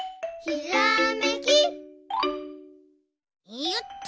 いよっと。